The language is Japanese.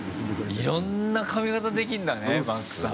いろんな髪形できんだねマックさん。